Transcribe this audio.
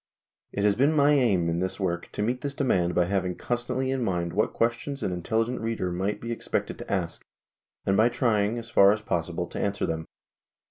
It has been my aim in this work to meet this demand by having constantly in mind what questions an intelligent reader might be expected to ask, and by trying, as far as possible, to answer them.